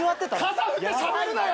傘振ってしゃべるなよ